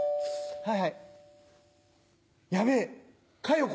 はい。